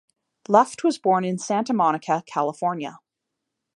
Luft was born in Santa Monica, California.